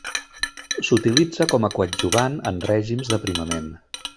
S'utilitza com a coadjuvant en règims d'aprimament.